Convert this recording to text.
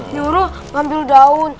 nyuruh ngambil daun